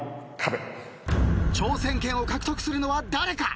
挑戦権を獲得するのは誰か？